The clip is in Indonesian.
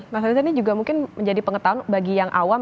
mas reza ini juga mungkin menjadi pengetahuan bagi yang awam